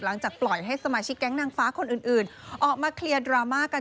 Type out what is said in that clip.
หลังจากปล่อยให้สมาชิกแก๊งนางฟ้าคนอื่นออกมาเคลียร์ดราม่ากัน